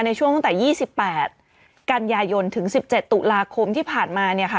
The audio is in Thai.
ในช่วงตั้งแต่๒๘กันยายนถึง๑๗ตุลาคมที่ผ่านมาเนี่ยค่ะ